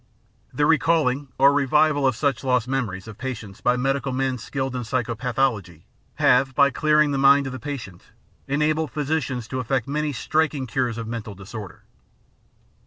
The recalling or revival of such lost memories of patients by medical men skilled in psychopathology have, by clearing the mind of the patient, enabled physicians to effect many striking ciu*es of mental disorder.